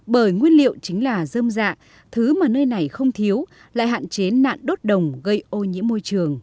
bởi nguyên liệu chính là dơm dạ thứ mà nơi này không thiếu lại hạn chế nạn đốt đồng gây ô nhiễm môi trường